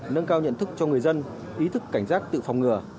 nâng cao nhận thức cho người dân ý thức cảnh giác tự phòng ngừa